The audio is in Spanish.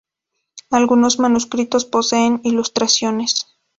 Algunos manuscritos poseen ilustraciones.